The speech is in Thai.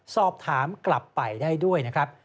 สอบถามกลับไปได้ด้วยนะครับ